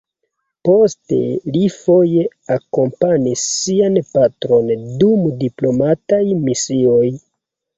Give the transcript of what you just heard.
Poste li foje akompanis sian patron dum diplomataj misioj.